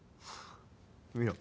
見ろ。